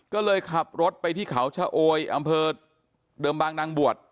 ก็เลยขับรถไปที่เขาชะโอยอำเภอเดิมบางนางบวช